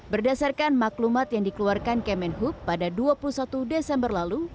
berdasarkan maklumat yang dikeluarkan kemenhub pada dua puluh satu desember lalu